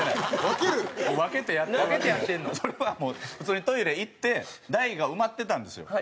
それはもう普通にトイレ行って大が埋まってたんですよ。